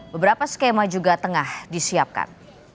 beberapa skema juga tengah disiapkan